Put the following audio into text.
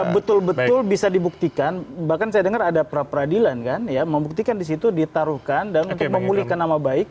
betul betul bisa dibuktikan bahkan saya dengar ada pra peradilan kan ya membuktikan disitu ditaruhkan dan untuk memulihkan nama baik